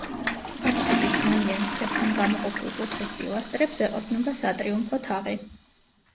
აფსიდის განიერ მხრებთან გამოყოფილ კუთხის პილასტრებს ეყრდნობა სატრიუმფო თაღი.